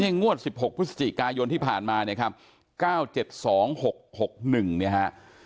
งวด๑๖ปฏศจิกายนที่ผ่านมา๙๗๒๖๖๑เนี่ยฮะ